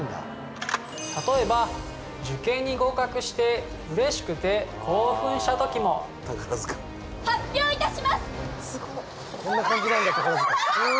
例えば受験に合格して嬉しくて興奮した時も発表いたします